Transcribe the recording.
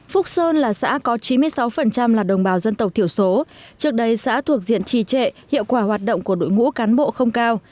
phúc sơn là xã có chín mươi sáu là đồng bào dân tộc thiểu số trước đây xã thuộc diện trì trệ hiệu quả hoạt động của đội ngũ cán bộ không cao